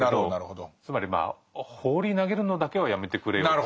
つまり放り投げるのだけはやめてくれよと。